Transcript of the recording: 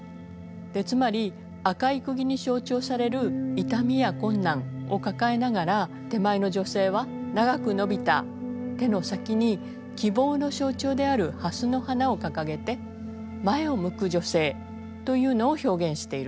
つまり赤いくぎに象徴される痛みや困難を抱えながら手前の女性は長く伸びた手の先に希望の象徴である蓮の花を掲げて前を向く女性というのを表現しているんです。